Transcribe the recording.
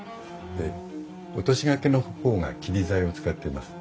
で落とし掛けの方が桐材を使っています。